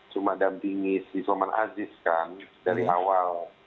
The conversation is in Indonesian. cuma dampingi si suleman aziz kan dari awal